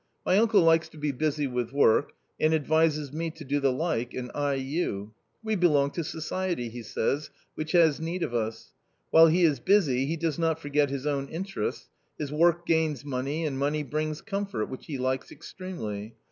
My uncle likes to be busy with work, and advises me to do the like and I you ; we belong to society, he says, which has need of us ; while he is busy, he does not forget his own interests ; his work gains money and money brings comfort, which he likes extremely.